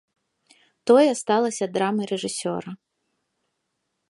Тое сталася драмай рэжысёра.